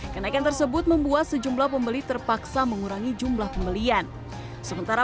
kenaikan tersebut membuat sejumlah pembeli terpaksa mengurangi jumlah pembelian sementara